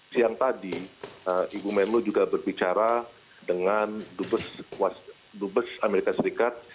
siang tadi ibu menlu juga berbicara dengan duta besar amerika serikat